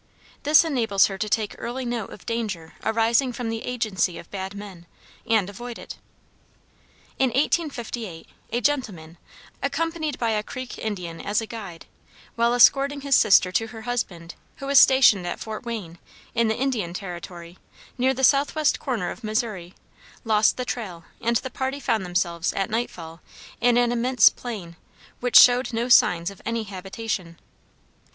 This enables her to take early note of danger arising from the agency of bad men, and avoid it. In 1858, a gentleman, accompanied by a Creek Indian as a guide, while escorting his sister to her husband, who was stationed at Fort Wayne, in the Indian Territory, near the southwest corner of Missouri, lost the trail, and the party found themselves, at nightfall, in an immense plain, which showed no signs of any habitation.